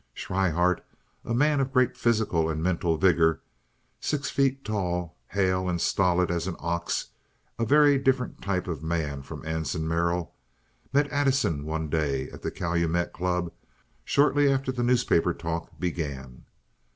Schryhart, a man of great physical and mental vigor, six feet tall, hale and stolid as an ox, a very different type of man from Anson Merrill, met Addison one day at the Calumet Club shortly after the newspaper talk began.